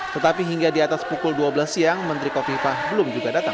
tetapi hingga di atas pukul dua belas siang menteri kofifah belum juga datang